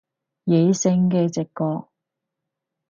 野性嘅直覺